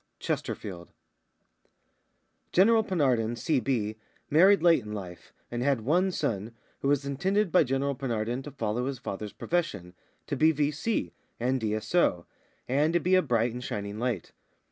CHESTERFIELD. General Penarden, C.B., married late in life, and had one son, who was intended by General Penarden to follow his father's profession, to be V.C., and D.S.O., and to be a bright and shining light.